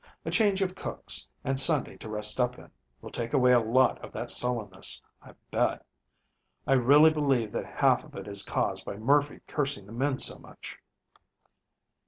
A change of cooks, and Sunday to rest up in, will take away a lot of that sullenness, I bet. I really believe that half of it is caused by Murphy cursing the men so much."